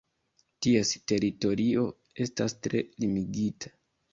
Ties teritorio esta tre limigita.